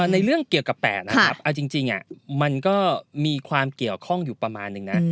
ในเรื่องเกี่ยวกับ๘นะครับเอาจริงมันก็มีความเกี่ยวข้องอยู่ประมาณนึงนะ